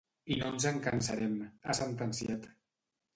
I no ens en cansarem, ha sentenciat.